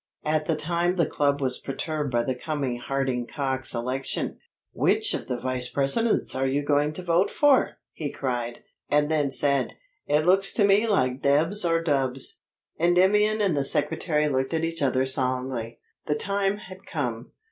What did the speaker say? At that time the club was perturbed by the coming Harding Cox election. "Which of the vice presidents are you going to vote for?" he cried, and then said: "It looks to me like Debs or dubs." Endymion and the secretary looked at each other solemnly. The time had come.